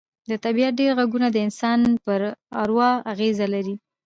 د طبیعت ډېر غږونه د انسان پر اروا اغېز لري